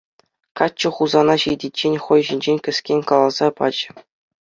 Каччӑ Хусана ҫитиччен хӑй ҫинчен кӗскен каласа пачӗ.